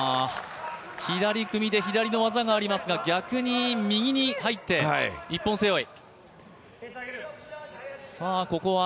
左組で左の技がありますが、逆に右に入って一本背負い。